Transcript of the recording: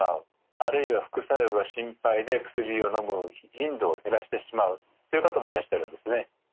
あるいは副作用が心配で薬をのむ頻度を減らしてしまうという方もいらっしゃるんですね。